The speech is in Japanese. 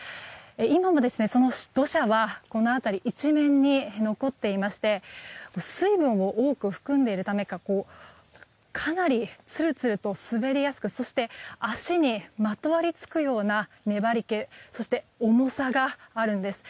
今もその土砂はこの辺り一面に残っていまして水分を多く含んでいるためかかなり、つるつると滑りやすくそして、足にまとわりつくような粘り気そして、重さがあるんです。